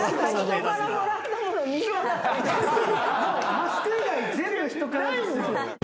マスク以外全部人からですよ。